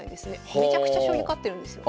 めちゃくちゃ将棋勝ってるんですよ。